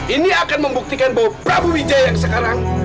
ini akan membuktikan bahwa prabu wijaya sekarang